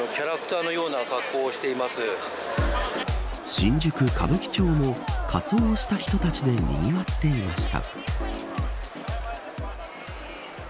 新宿歌舞伎町も仮装した人たちでにぎわっていました。